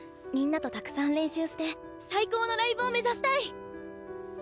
みんなとたくさん練習して最高のライブを目指したい！